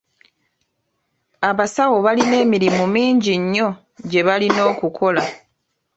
Abasawo balina emirimu mingi nnyo gye balina okukola.